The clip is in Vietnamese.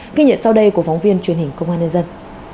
ghi nhận sau đây của phóng viên truyền hình công an nhân dân